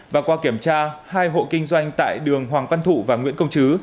và qua kiểm tra hai hộ kinh doanh tại đường hoàng văn thụ và nguyễn công chứ